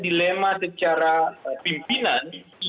dilema secara pimpinan